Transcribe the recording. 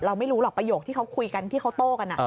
ไม่รู้หรอกประโยคที่เขาคุยกันที่เขาโต้กัน